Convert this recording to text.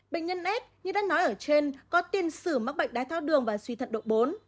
bệnh nhân s như đã nói ở trên có tiền xử mắc bệnh đái thao đường và suy thận độ bốn